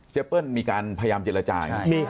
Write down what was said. เจปเปิ้ลมีการพยามเจรจา